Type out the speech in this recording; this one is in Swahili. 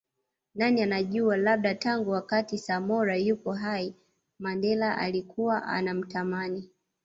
Nani anajua labda tangu wakati Samora yupo hai Mandela alikuwa anamtamani